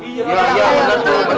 iya iya betul betul